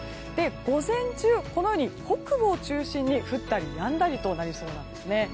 午前中、北部を中心に降ったりやんだりとなりそうなんですね。